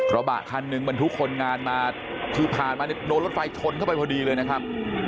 ระบะคันหนึ่งบรรทุกคนงานมาคือผ่านมาโดนรถไฟชนเข้าไปพอดีเลยนะครับ